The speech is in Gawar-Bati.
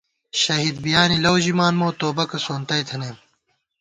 شہید بِیانےلَؤ ژِمان مو، توبَکہ سونتَئ تھنَئیم